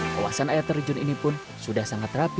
kawasan air terjun ini pun sudah sangat rapi